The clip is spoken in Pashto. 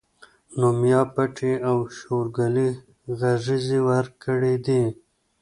نو ميا پټي او شورګلې غېږې ورکړي دي